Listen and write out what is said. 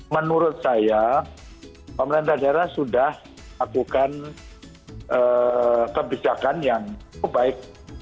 menurut saya pemerintah daerah sudah lakukan kebijakan yang baik